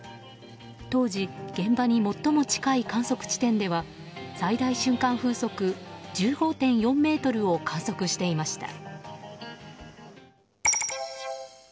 当時、現場に最も近い観測地点では最大瞬間風速１５．４メートルを観測していました。